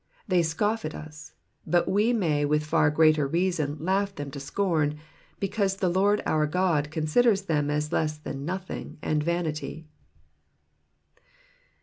They scoff at us, but we may with far greater reason laugh them to scorn, because the Lord our Gk>d considers them as less than nothing and vanity.